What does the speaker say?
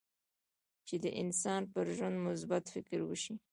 چې د انسان پر ژوند مثبت فکر وشي.